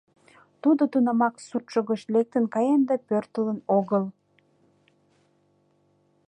Тудо тунамак суртшо гыч лектын каен да пӧртылын огыл.